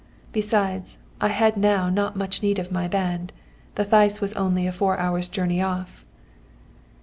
Besides, I had now not much need of my band; the Theiss was only a four hours' journey off.